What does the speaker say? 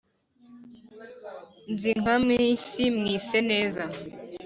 nzwi nka “miss mwiseneza”